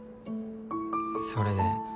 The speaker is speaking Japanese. それで？